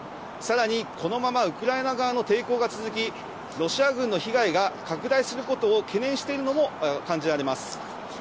さらに、このままウクライナ側の抵抗が続き、ロシア軍の被害が拡大することを懸念しているのも感じられます。